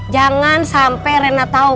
jangan sampai reina tau